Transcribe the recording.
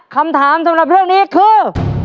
คำถามสำหรับเรื่องนี้คือ